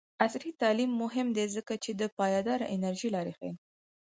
عصري تعلیم مهم دی ځکه چې د پایداره انرژۍ لارې ښيي.